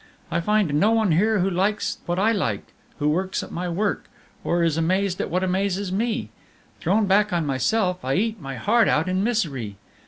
I find no one here who likes what I like, who works at my work, or is amazed at what amazes me. Thrown back on myself, I eat my heart out in misery.